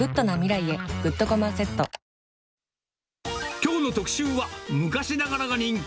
きょうの特集は、昔ながらが人気。